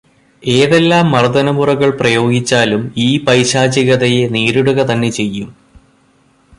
ഏതെല്ലാം മർദ്ദനമുറകൾ പ്രയോഗിച്ചാലും ഈ പൈശാചികതയെ നേരിടുക തന്നെ ചെയ്യും.